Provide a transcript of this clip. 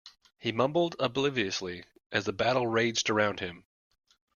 He mumbled obliviously as the battle raged around him.